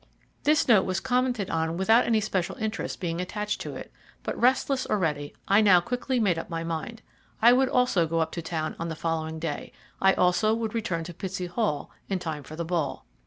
This note was commented on without any special interest being attached to it, but restless already, I now quickly made up my mind. I also would go up to town on the following day; I also would return to Pitsey Hall in time for the ball.